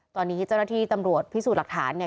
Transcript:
ตอนนี้เจ้าหน้าที่ตำรวจพิสูจน์หลักฐานเนี่ย